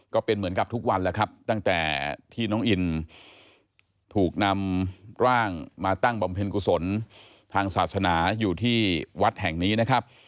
ก็เป็นเหมือนกับทุกวันแล้วครับตั้งแต่ที่น้องอินถูกนำร่างมาตั้งบำเพ็ญกุศลทางศาสนาอยู่ที่วัดแห่งนี้นะครับ